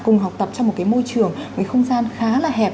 cùng học tập trong một cái môi trường một cái không gian khá là hẹp